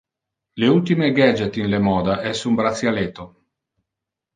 Le ultime gadget in le moda es un bracialetto.